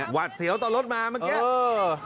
หวัดเสียวตอนรถมาเมื่อกี้